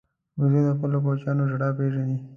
وزې د خپلو کوچنیانو ژړا پېژني